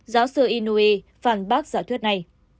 giáo sư inouye phản bác giả thuyết này